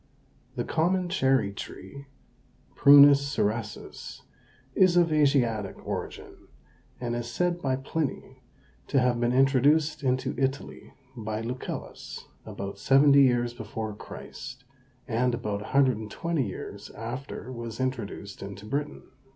The common cherry tree (Prunus cerasus) is of Asiatic origin, and is said by Pliny to have been introduced into Italy by Lucullus about seventy years before Christ, and about 120 years after was introduced into Britain.